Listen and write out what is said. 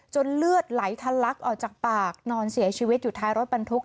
เลือดไหลทะลักออกจากปากนอนเสียชีวิตอยู่ท้ายรถบรรทุก